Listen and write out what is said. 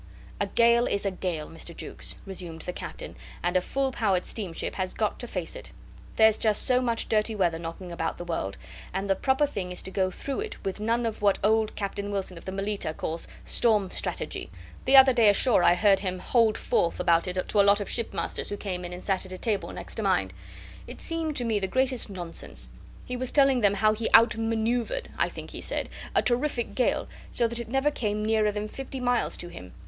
"A gale is a gale, Mr. Jukes," resumed the Captain, "and a full powered steam ship has got to face it. There's just so much dirty weather knocking about the world, and the proper thing is to go through it with none of what old Captain Wilson of the Melita calls 'storm strategy.' The other day ashore I heard him hold forth about it to a lot of shipmasters who came in and sat at a table next to mine. It seemed to me the greatest nonsense. He was telling them how he outmanoeuvred, I think he said, a terrific gale, so that it never came nearer than fifty miles to him.